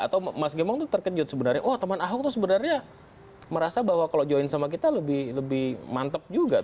atau mas gembong itu terkejut sebenarnya oh teman ahok itu sebenarnya merasa bahwa kalau join sama kita lebih mantep juga